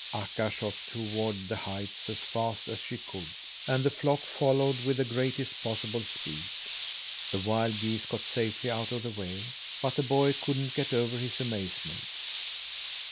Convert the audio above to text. Akka shot toward the heights as fast as she could, and the flock followed with the greatest possible speed. The wild geese got safely out of the way, but the boy couldn't get over his amazement.